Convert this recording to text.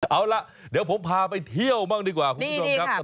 เอาล่ะเดี๋ยวผมพาไปเที่ยวบ้างดีกว่าคุณผู้ชมครับ